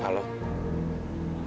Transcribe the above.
kzna dimukul dgn anda